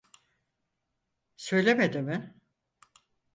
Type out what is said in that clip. Söylemedi mi?